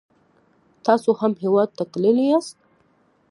تاسو کوم هیواد ته تللی یاست؟